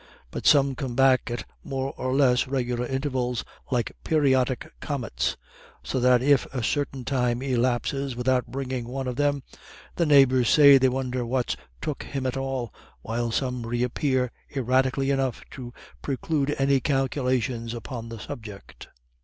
But some come back at more or less regular intervals, like periodic comets, so that if a certain time elapses without bringing one of them, the neighbours say they wonder what's took him at all, while some reappear erratically enough to preclude any calculations upon the subject.